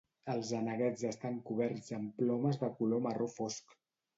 Els aneguets estan coberts amb plomes de color marró fosc.